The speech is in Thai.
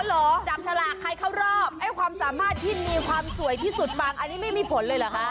เหรอจับฉลากใครเข้ารอบไอ้ความสามารถที่มีความสวยที่สุดบางอันนี้ไม่มีผลเลยเหรอคะ